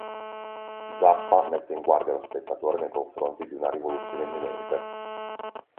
Zappa mette in guardia lo spettatore nei confronti di una "rivoluzione imminente".